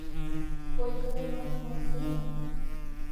Ойгырен, ойгым от сеҥе.